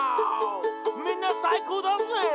「みんなさいこうだぜ！」